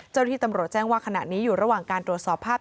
เจ้าหน้าที่ตำรวจแจ้งว่าขณะนี้อยู่ระหว่างการตรวจสอบภาพ